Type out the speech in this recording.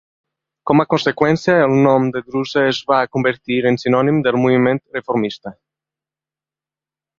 Com a conseqüència, el nom de "Druze" es va convertir en sinònim del moviment reformista.